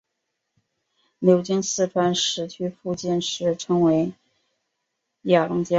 流经四川石渠附近时称为雅砻江。